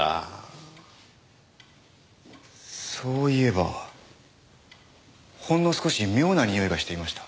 そういえばほんの少し妙なにおいがしていました。